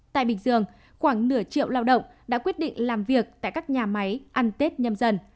tại bình dương khoảng nửa triệu lao động đã quyết định làm việc tại các nhà máy ăn tết nhâm dần